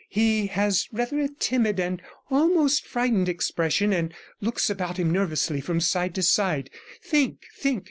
He has rather a timid, almost a frightened expression, and looks about him nervously from side to side. Think, think!